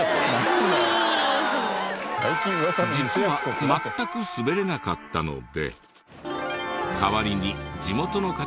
実は全く滑れなかったので。